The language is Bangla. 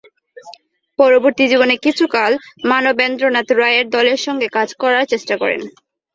পরবর্তী জীবনে কিছুকাল মানবেন্দ্রনাথ রায়ের দলের সংগে কাজ করার চেষ্টা করেন।